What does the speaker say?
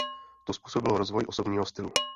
To způsobilo rozvoj osobního stylu.